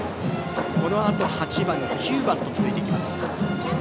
このあと８番、９番と続いていきます。